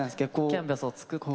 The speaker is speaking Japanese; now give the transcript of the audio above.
キャンバスを作って。